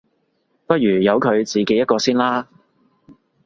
不如由佢自己一個先啦